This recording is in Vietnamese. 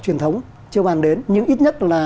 truyền thống chưa bàn đến nhưng ít nhất là